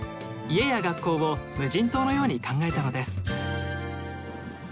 家や学校を無人島のように考えたのです。